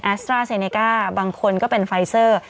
สตราเซเนก้าบางคนก็เป็นไฟเซอร์